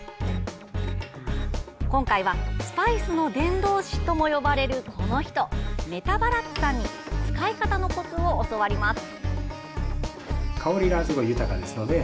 今回は、スパイスの伝道師とも呼ばれるこの人メタ・バラッツさんに使い方のコツを教わります。